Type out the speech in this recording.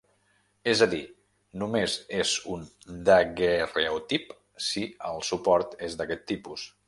És a dir, només és un daguerreotip si el suport és d'aquest tipus.